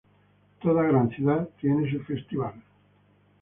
Toda gran ciudad tiene su Festival.